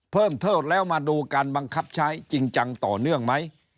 เพิ่มโทษแล้วมาดูการบังคับใช้จริงจังต่อเนื่องไหม